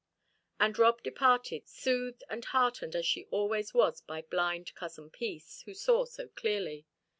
And Rob departed, soothed and heartened as she always was by blind Cousin Peace, who saw so clearly.